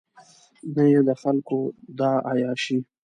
نه یې د خلکو دا عیاشۍ.